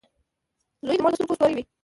• زوی د مور د سترګو ستوری وي.